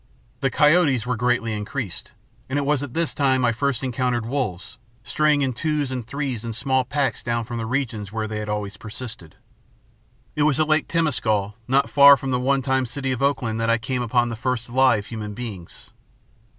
The coyotes were greatly increased, and it was at this time that I first encountered wolves, straying in twos and threes and small packs down from the regions where they had always persisted. "It was at Lake Temescal, not far from the one time city of Oakland, that I came upon the first live human beings.